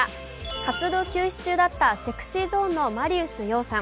活動休止中だったＳｅｘｙＺｏｎｅのマリウス葉さん。